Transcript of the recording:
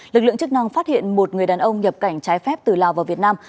lực lượng chức năng phát hiện một người đàn ông nhập cảnh trái phép từ lào vào việt nam